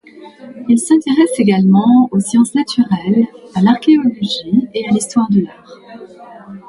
Il s'intéresse également aux sciences naturelles, à l'archéologie et à l'histoire de l'art.